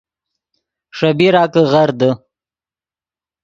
ݰے بیرا کہ غر دے